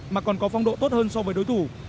mà còn có phong độ tốt hơn so với đối thủ